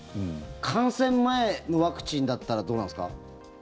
感染前のワクチンだったらどうなんですか？